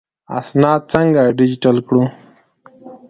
اسناد څنګه ډیجیټل کړو؟